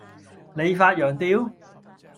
你發羊吊?